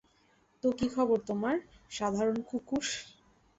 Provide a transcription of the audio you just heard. তো, কী খবর তোমার, সাধারণ কুকুর?